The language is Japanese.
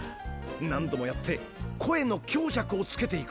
何度もやって声の強弱をつけていくんだ。